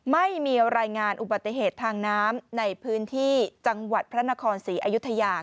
ไม่มีรายงานอุบัติเหตุทางน้ำในพื้นที่จังหวัดพระนครศรีอยุธยา